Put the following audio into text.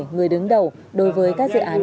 người đứng đầu đối với các dự án